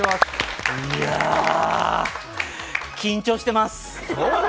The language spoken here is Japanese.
いやあ、緊張してます。